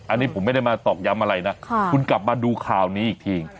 อันนี้ผมไม่ได้มาตอกย้ำอะไรนะคุณกลับมาดูข่าวนี้อีกที